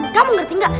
kamu ngerti gak